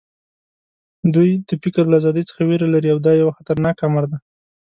دوی د فکر له ازادۍ څخه وېره لري او دا یو خطرناک امر دی